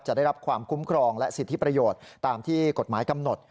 จะได้รับความคุ้มครองและสิทธิประโยชน์ตามที่กฎหมายกำหนด